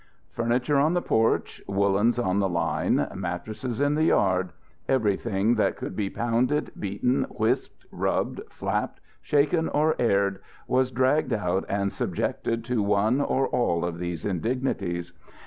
Furniture on the porch, woolens on the line, mattresses in the yard everything that could be pounded, beaten, whisked, rubbed, flapped, shaken or aired was dragged out and subjected to one or all of these indignities.